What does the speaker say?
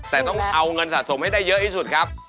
แต่ต้องเอาเงินสะสมให้ได้เยอะที่สุดครับ